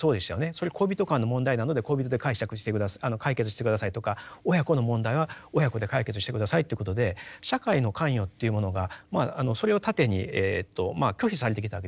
それ恋人間の問題なので恋人で解決して下さいとか親子の問題は親子で解決して下さいということで社会の関与っていうものがそれを盾に拒否されてきたわけです。